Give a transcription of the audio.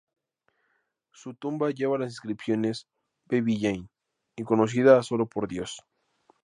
Su tumba lleva las inscripciones "Baby Jane" y "Conocida solo por Dios".